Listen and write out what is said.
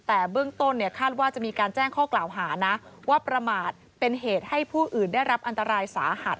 แต่เบื้องต้นเนี่ยคาดว่าจะมีการแจ้งข้อกล่าวหานะว่าประมาทเป็นเหตุให้ผู้อื่นได้รับอันตรายสาหัส